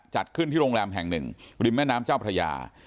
จัดขึ้นที่โรงแรมแห่งหนึ่งริมแม่น้ำเจ้าพระยา